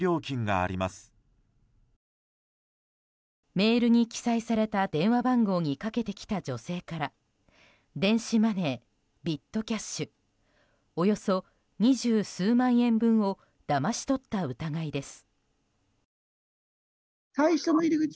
メールに記載された電話番号にかけてきた女性から電子マネー、ビットキャッシュおよそ二十数万円分をだまし取った疑いです。